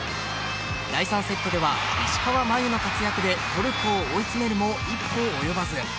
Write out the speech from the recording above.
第３セットでは石川真佑の活躍でトルコを追い詰めるも一歩及ばず。